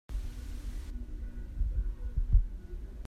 Mah kongah hin cun ka lung a cun cang ko.